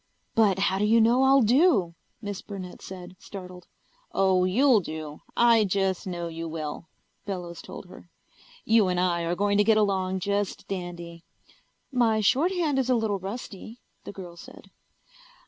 "But how do you know I'll do?" Miss Burnett said, startled. "Oh, you'll do. I just know you will," Bellows told her. "You and I are going to get along just dandy." "My shorthand is a little rusty," the girl said.